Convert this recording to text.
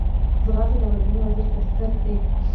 ځغاسته د ورځني ورزش بنسټ دی